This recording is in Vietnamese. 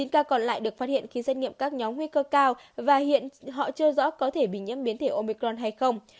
chín ca còn lại được phát hiện khi xét nghiệm các nhóm nguy cơ cao và hiện họ chưa rõ có thể bị nhiễm biến thể omicron hay không